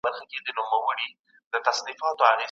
کمپيوټر ماشينونه چالانه وي.